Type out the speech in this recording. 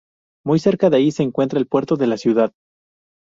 Muy cerca de ahí se encuentra el puerto de la ciudad.